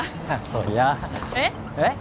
そりゃえっ？